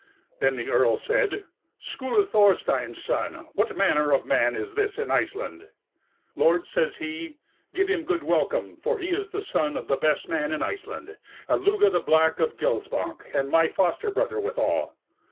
Then the earl said: "Skuli Thorstein's son, what manner of man is this in Iceland?" "Lord," says he, "give him good welcome, for he is the son of the best man in Iceland, Illugi the Black of Gilsbank, and my foster brother withal."